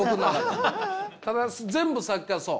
ただ全部さっきからそう。